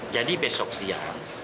jadi besok siang